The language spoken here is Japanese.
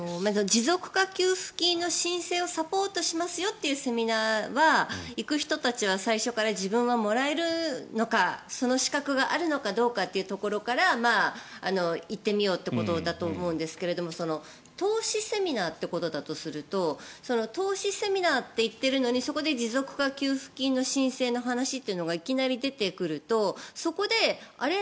持続化給付金の申請をサポートしますよというセミナーは行く人たちは最初から自分はもらえるのかその資格があるのかどうかというところから行ってみようということだと思うんですけれども投資セミナーってことだとすると投資セミナーと言っているのにそこで持続化給付金の申請の話というのがいきなり出てくると、そこであれ？